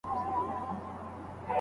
شاګرد د خپل کار نیمګړتیاوي سموي.